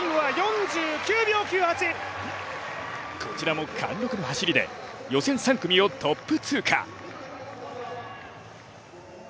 こちらも貫禄の走りで予選３組をトップ通過。